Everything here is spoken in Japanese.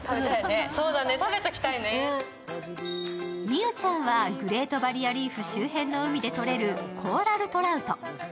美羽ちゃんはグレートバリアリーフ周辺の海でとれるコーラルトラウト。